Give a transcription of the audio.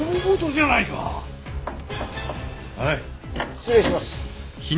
失礼します。